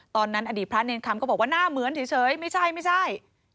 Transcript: ตอนนั้นอดีตพระเนรคัมก็บอกว่าหน้าเหมือนเฉยไม่ใช่